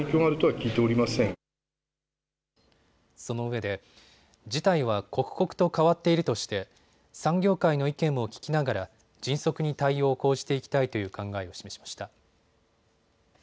そのうえで事態は刻々と変わっているとして産業界の意見も聞きながら迅速に対応を講じていきたいという考えを示しました。